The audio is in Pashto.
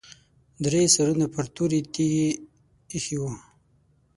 درې سرونه پر تورې تیږې ایښي وو.